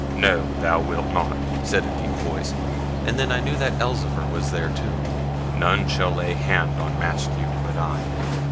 'No, thou wilt not,' said a deep voice, and then I knew that Elzevir was there too; 'none shall lay hand on Maskew but I.